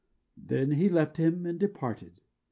Then he left him and departed.